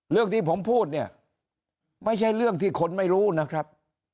เรื่องที่ผมพูดเนี่ยไม่ใช่เรื่องที่คนไม่รู้นะครับ